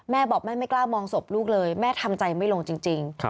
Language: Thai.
แม่บอกแม่ไม่กล้ามองศพลูกเลยแม่ทำใจไม่ลงจริง